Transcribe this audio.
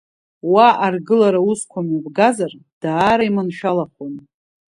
Уа аргылара усқәа мҩаԥгазар, даара иманшәалахон.